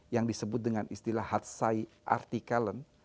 yang disebut dengan istilah hadsai artikelen